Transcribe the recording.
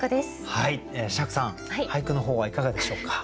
釈さん俳句の方はいかがでしょうか？